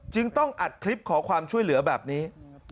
ต้องอัดคลิปขอความช่วยเหลือแบบนี้